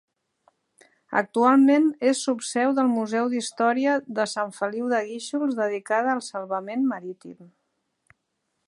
Actualment és subseu del Museu d'Història de Sant Feliu de Guíxols dedicada al salvament marítim.